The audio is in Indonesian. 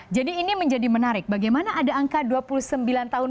jadi ini menjadi menarik bagaimana ada angka dua puluh sembilan tahun